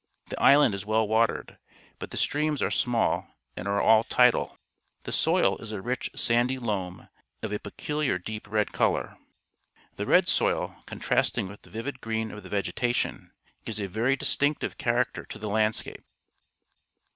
The island is well watered, but the streams are small and are all tidal. The soil is a rich sandy Innm, of a peculinr deep red colour. The red soil, contrasting with the vivid green of the vegetation, gives a very distinc tive character to the landscape.